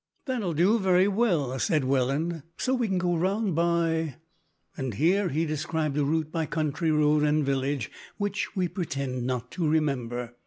"That'll do very well," said Welland, "so we can go round by " Here he described a route by country road and village, which we pretend not to remember.